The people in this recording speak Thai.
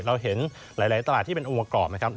เราเห็นหลายตลาดที่เป็นองค์ประกอบนะครับ